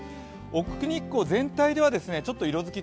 奥日光全体ではちょっと色づき